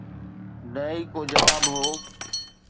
نه ئي ڪو جواب هو.